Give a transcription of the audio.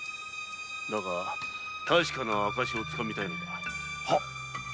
だが確かな証をつかみたいのだ。